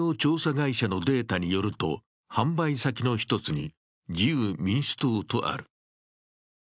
会社のデータによると、販売先の１つに自由民主党とある。